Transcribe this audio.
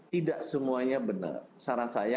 tidak semuanya benar saran saya